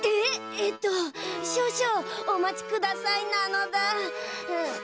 えっとしょうしょうおまちくださいなのだ。